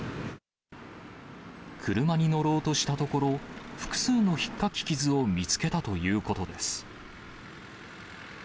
車に乗ろうとしたところ、複数のひっかき傷を見つけたということです。